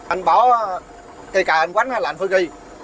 anh bỏ cây cài anh quánh là anh phải ghi